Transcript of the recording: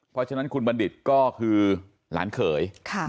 เพราะฉะนั้นคุณบัณฑิตก็คือหลานเขย